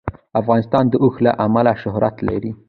افغانستان د اوښ له امله شهرت لري.